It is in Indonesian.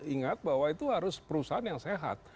ingat bahwa itu harus perusahaan yang sehat